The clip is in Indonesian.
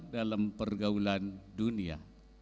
dalam pergaulan dunia